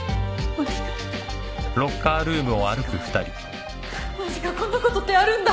マジかマジかこんなことってあるんだ！